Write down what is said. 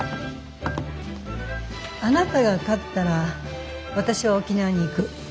あなたが勝ったら私は沖縄に行く。